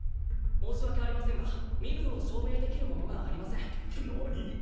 申し訳ありませんが身分を証明できるものがありません何！？